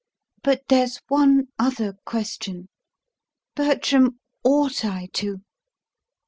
But there's one other question. Bertram, ought I to?"